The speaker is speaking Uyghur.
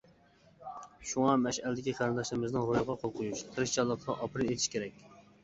شۇڭا مەشئەلدىكى قېرىنداشلىرىمىزنىڭ روھىغا قول قويۇش، تىرىشچانلىقىغا ئاپىرىن ئېيتىش كېرەك.